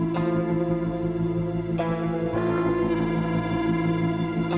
bapak telfon mereka